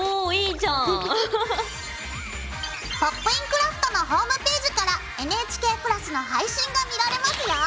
クラフト」のホームページからＮＨＫプラスの配信が見られますよ。